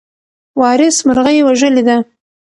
وارث مرغۍ وژلې ده.